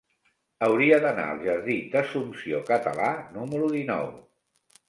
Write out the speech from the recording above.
Hauria d'anar al jardí d'Assumpció Català número dinou.